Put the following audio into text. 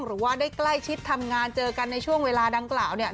หรือว่าได้ใกล้ชิดทำงานเจอกันในช่วงเวลาดังกล่าวเนี่ย